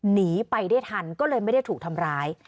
หนีไปได้ทันก็เลยไม่ได้ถูกทำร้าย